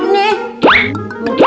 ini baru lelah